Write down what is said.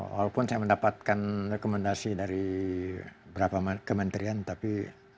walaupun saya mendapatkan rekomendasi dari beberapa kementerian tapi